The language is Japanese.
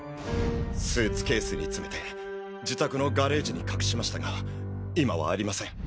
スーツケースに詰めて自宅のガレージに隠しましたが今はありません。